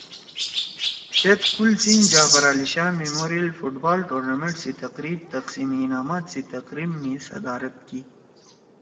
تھید کُل سندھ جعفرعلی شاہ میموریل فٹ بال ٹورنمنٹ سی تقریب تقسیم انعامات سی تقریب می صدارت کی